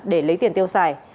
để lấy tiền tiêu xài